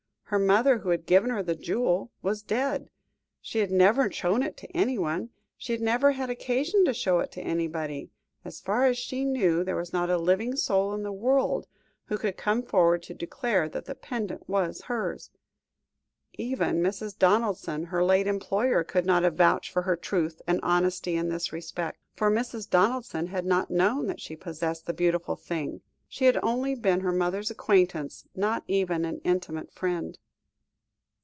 Her mother, who had given her the jewel, was dead. She had never shown it to anyone; she had never had occasion to show it to anybody; as far as she knew, there was not a living soul in the world, who could come forward to declare that the pendant was hers. Even Mrs. Donaldson, her late employer, could not have vouched for her truth and honesty in this respect, for Mrs. Donaldson had not known that she possessed the beautiful thing; she had only been her mother's acquaintance, not even an intimate friend.